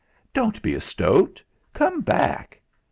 "Don't be a stoat! Come back!"